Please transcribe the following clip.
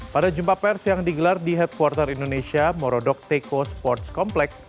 pada jumpa pers yang digelar di headquarter indonesia morodok teko sports complex